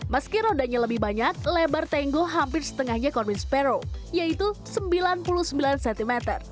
meski rodanya lebih banyak lebar tanggo hampir setengahnya corbin sparrow yaitu sembilan puluh sembilan cm